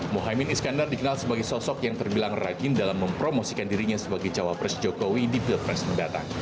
mohaimin iskandar dikenal sebagai sosok yang terbilang rajin dalam mempromosikan dirinya sebagai cawapres jokowi di pilpres mendatang